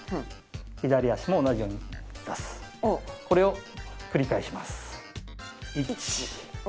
これを繰り返します。